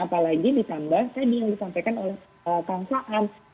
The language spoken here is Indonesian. apalagi ditambah tadi yang disampaikan oleh kang saan